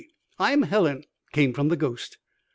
I'm Helen," came from the ghost.